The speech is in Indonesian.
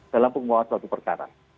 dalam penguatan suatu perkara